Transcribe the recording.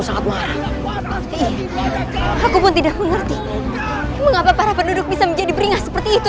sangat marah aku pun tidak mengerti mengapa para penduduk bisa menjadi beringas seperti itu